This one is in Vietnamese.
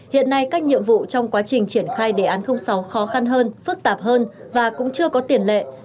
hiện nay các nhiệm vụ trong quá trình triển khai đề án sáu khó khăn hơn phức tạp hơn và cũng chưa có tiền lệ